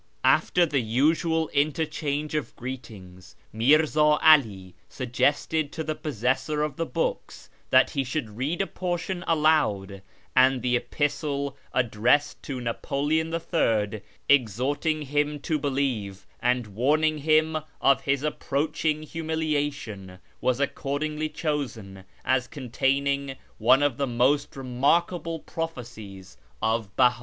After the usual interchange of greetings, Mirza 'Ali sug gested to the possessor of the books that he should read a portion aloud ; and the Epistle addressed to Napoleon III, exhorting him to believe and warning him of his approaching humilia tion, was accordingly chosen as containing one of the most remarkable prophecies of Beha.